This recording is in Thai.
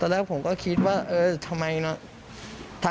แรกผมก็คิดว่าเออทำไมเนอะ